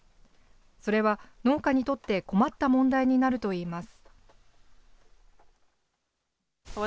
それは農家にとって困った問題になるといいます。